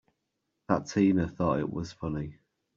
That Tina thought it was funny!